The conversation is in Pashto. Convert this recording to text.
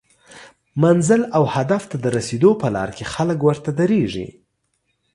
منزل او هدف ته د رسیدو په لار کې خلک ورته دریږي